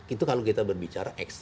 itu kalau kita berbicara